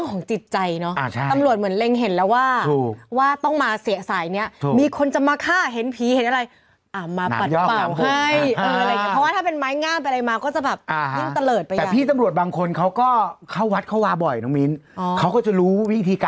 โอ้โหสุดยาบ้างไอ้ลูก